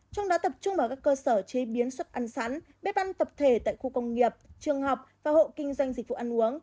trong đó tập trung vào các cơ sở chế biến xuất ăn sắn bếp ăn tập thể tại khu công nghiệp trường học và hộ kinh doanh dịch vụ ăn uống